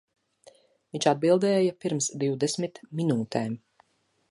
Viņš atbildēja pirms divdesmit minūtēm.